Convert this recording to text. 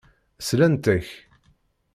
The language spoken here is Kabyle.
Slant-ak.